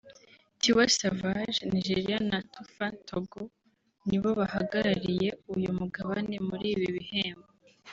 Tiwa Savage (Nigeria) na Toofan (Togo) nibo bahagarariye uyu mugabane muri ibi bihembo